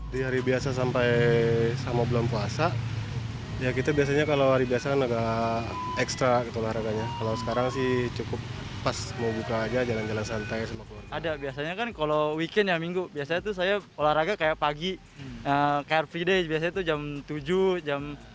carefree day biasanya itu jam tujuh jam delapan